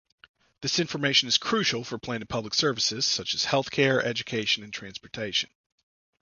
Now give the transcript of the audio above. This information is crucial for planning public services, such as healthcare, education, and transportation.